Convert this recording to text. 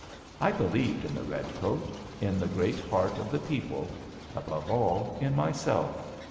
I believed in the redcoat; in the great heart of the people : above all in myself.